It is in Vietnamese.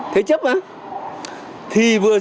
thế chấp á